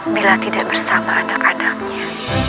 bila tidak bersama anak anaknya